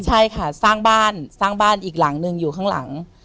ใช่ค่ะสร้างบ้านสร้างบ้านอีกหลังหนึ่งอยู่ข้างหลัง